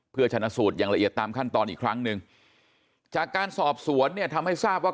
เพื่อชนะสูตรอย่างละเอียดตามขั้นตอนอีกครั้งหนึ่งจากการสอบสวนเนี่ยทำให้ทราบว่า